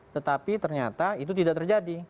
tetapi ternyata itu tidak terjadi